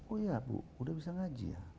oh ya bu sudah bisa ngaji ya